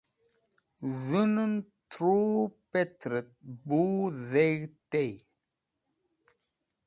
Z̃hunan Thru Pẽtrẽt Bu Dheg̃hd tey